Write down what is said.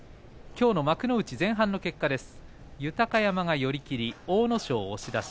きょうの幕内前半の結果です。